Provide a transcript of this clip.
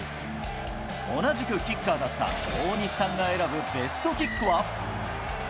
同じくキッカーだった大西さんが選ぶベストキックは？